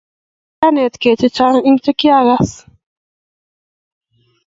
kianetkee chechang en che kiagas